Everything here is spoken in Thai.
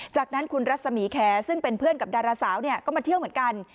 จากนั้นคุณรัศมีแคร์ซึ่งเป็นเพื่อนกับดาราสาวก็มาเที่ยวเหมือนกัน